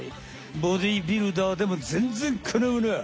ボディービルダーでもぜんぜんかなわない！